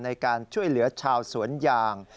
ในการช่วยเหลือชาวสวนยาง